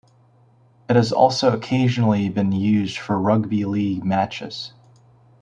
It has also occasionally been used for rugby league matches.